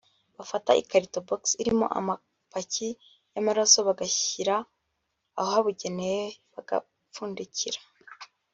bafata ikarito (Box) irimo amapaki y’amaraso bagashyira ahabugenewe bagapfundikira